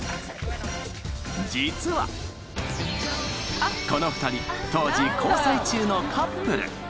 実はこの２人当時交際中のカップル。